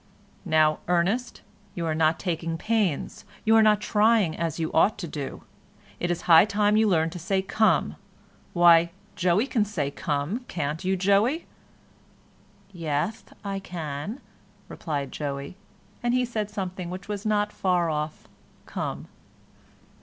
"Now, Ernest, you are not taking pains: you are not trying as you ought to do. It is high time you learned to say 'come,' why, Joey can say 'come,' can't you, Joey?" "Yeth, I can," replied Joey, and he said something which was not far off "come."